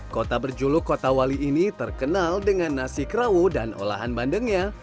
kota berjuluk kota wali ini terkenal dengan nasi krawu dan olahan bandengnya